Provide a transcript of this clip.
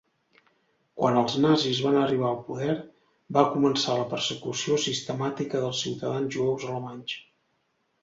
Quan els nazis van arribar al poder, va començar la persecució sistemàtica dels ciutadans jueus alemanys.